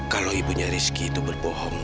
kalau ibunya rizky itu berbohong